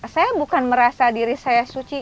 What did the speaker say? saya bukan merasa diri saya suci